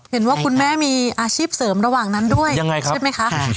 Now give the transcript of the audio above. เห็นว่าคุณแม่มีอาชีพเสริมระหว่างนั้นด้วยยังไงครับใช่ไหมคะ